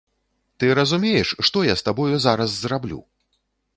Ты разумееш, што я з табою зараз зраблю?!